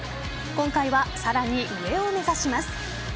今回はさらに上を目指します。